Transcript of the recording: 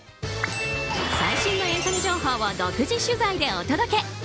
最新のエンタメ情報を独自取材でお届け。